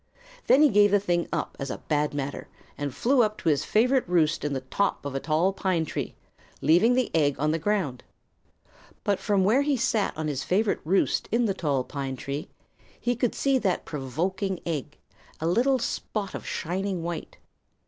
Then he gave the thing up as a bad matter and flew up to his favorite roost in the top of a tall pine tree, leaving the egg on the ground. But from where he sat on his favorite roost in the tall pine tree he could see that provoking egg, a little spot of shining white.